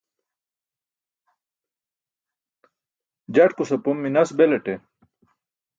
Jatkus apom minas belaṭe.